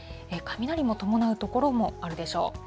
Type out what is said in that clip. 雷も伴う所もあるでしょう。